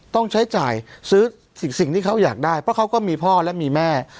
ต้องใช้จ่ายซื้อสิ่งที่เขาอยากได้เพราะเขาก็มีพ่อและมีแม่